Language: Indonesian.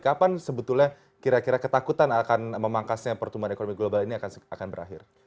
kapan sebetulnya kira kira ketakutan akan memangkasnya pertumbuhan ekonomi global ini akan berakhir